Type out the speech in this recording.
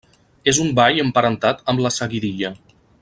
És un ball emparentat amb la seguidilla.